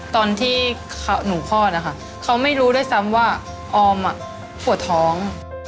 ตอนที่หนูคลอดนะคะเขาไม่รู้ด้วยซ้ำว่าออมปวดท้อง